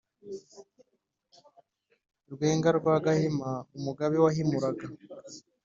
rwenga rwa gahima, umugabe wahimuraga